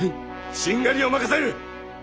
しんがりを任せる！